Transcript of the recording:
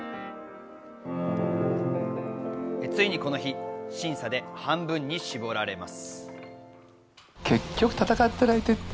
ついにこの日、審査で半分に絞られます。